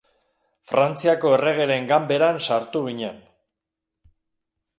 Frantziako erregeren ganberan sartu ginen.